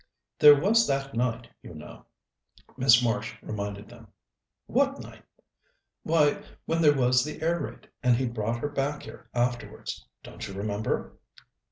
"There was that night, you know," Miss Marsh reminded them. "What night?" "Why, when there was the air raid, and he brought her back here afterwards. Don't you remember?"